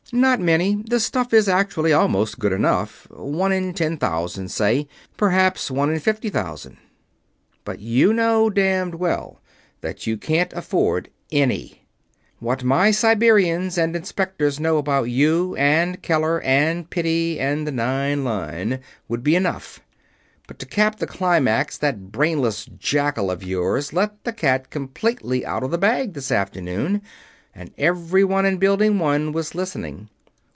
Not many the stuff is actually almost good enough one in ten thousand, say: perhaps one in fifty thousand. But you know damned well that you can't afford any. What my Siberians and Inspectors know about you and Keller and Piddy and the Nine Line would be enough; but to cap the climax that brainless jackal of yours let the cat completely out of the bag this afternoon, and everybody in Building One was listening.